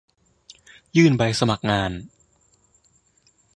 ยื่นใบสมัครงาน